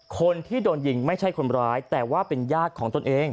คนที่โดนยิงไม่ใช่คนร้ายแต่ว่าเป็นญาติของตนเอง